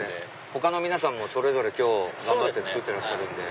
他の皆さんもそれぞれ今日頑張って作ってらっしゃるので。